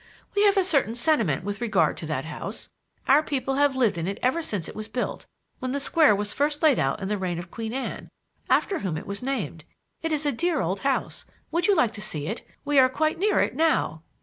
We have a certain sentiment with regard to that house. Our people have lived in it ever since it was built, when the square was first laid out in the reign of Queen Anne, after whom it was named. It is a dear old house. Would you like to see it? We are quite near it now."